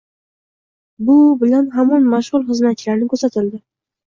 Bu bilan hamon mashg’ul xizmatchilarni kuzatidi.